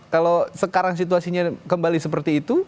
kalau sekarang situasinya kembali seperti itu